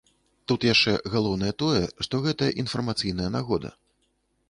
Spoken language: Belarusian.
Тут яшчэ галоўнае тое, што гэта інфармацыйная нагода.